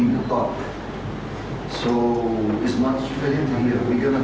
jadi kita harus berada di atas